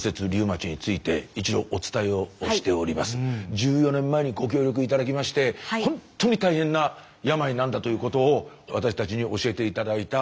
１４年前にご協力頂きましてほんとに大変な病なんだということを私たちに教えて頂いた。